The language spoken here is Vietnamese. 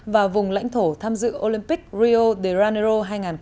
và vùng lãnh thổ tham dự olympic rio de janeiro hai nghìn một mươi sáu